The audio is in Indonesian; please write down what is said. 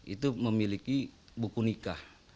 itu memiliki buku nikah